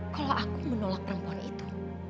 kalau aku menolak perempuan itu